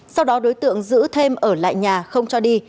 sau đó đối tượng giữ thêm ở lại nhà không cho đi